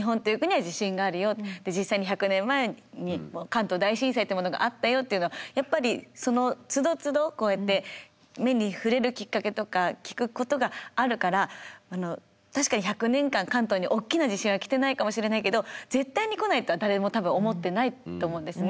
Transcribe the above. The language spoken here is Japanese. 実際に１００年前に関東大震災ってものがあったよっていうのはやっぱりそのつどつどこうやって目に触れるきっかけとか聞くことがあるからあの確かに１００年間関東におっきな地震は来てないかもしれないけど絶対に来ないとは誰も多分思ってないと思うんですね。